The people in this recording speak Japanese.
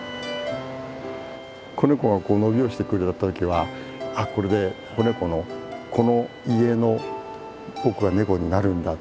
子ネコが伸びをしてくれた時はあっこれで子ネコの「この家の僕はネコになるんだ」